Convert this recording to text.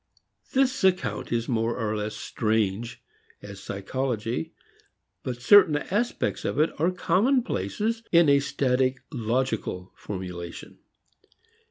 This account is more or less strange as psychology but certain aspects of it are commonplaces in a static logical formulation.